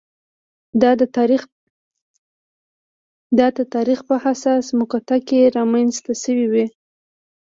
دا د تاریخ په حساسه مقطعه کې رامنځته شوې وي.